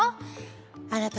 あなた